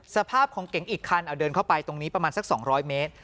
สภาพของเก๋งอีกคันเอาเดินเข้าไปตรงนี้ประมาณสัก๒๐๐เมตร